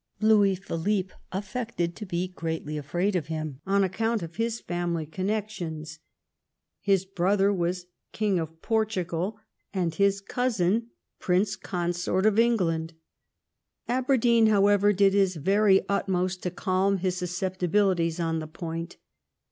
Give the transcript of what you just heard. Louis PhiUppe affected to be greatly a&aid of him on account of his family connections ; his brother was King of Portugal, and his cousin Prince THE SPANISH MABBIAGES. 99 Congort of England. Aberdeen, however, did his very utmost to calm his susceptibilities on the point.